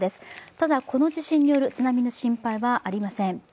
ただ、この地震による津波の心配はありません。